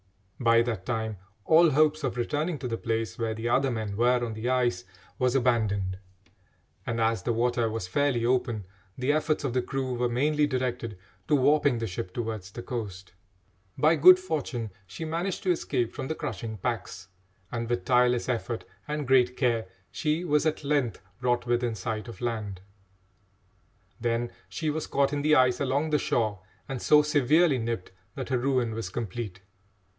By that time all hopes of returning to the place where the other men were on the ice was abandoned, and, as the water was fairly open, the efforts of the crew were mainly directed to warping the ship towards the coast. By good fortune she managed to escape from the crushing packs, and, with tireless effort and great care, she was at length brought within sight of land. Then she was caught in the ice along the shore and so severely nipped that her ruin was complete.